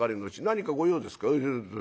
何か御用ですか」。